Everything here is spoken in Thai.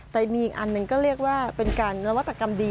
แต่มีอีกอันหนึ่งก็เรียกว่าเป็นการนวัตกรรมดี